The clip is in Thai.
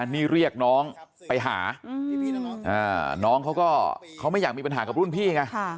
นี่เรียกน้องไปหาน้องเขาก็เขาไม่อยากมีปัญหากับรุ่นพี่ไง